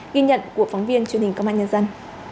ghi nhận của phóng viên truyền hình công an nhân dân